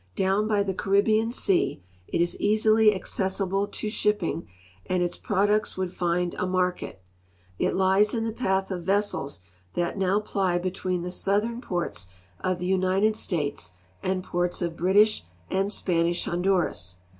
Down by the Caribbean sea it is easily accessible to shipping, and its products would find a market. It lies in the path of vessels that now ply between the southern ports of the United States and ports of British and Spanish Hon duras.